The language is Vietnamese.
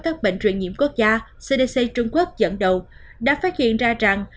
các bệnh truyền nhiễm quốc gia cdc trung quốc dẫn đầu đã phát hiện ra rằng